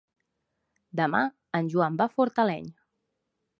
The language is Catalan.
Demà en Joan va a Fortaleny.